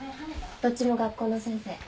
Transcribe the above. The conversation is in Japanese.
どっちも学校の先生。